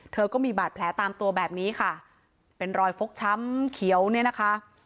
ก็มีบาดแผลตามตัวแบบนี้ค่ะเป็นรอยฟกช้ำเขียวเนี่ยนะคะ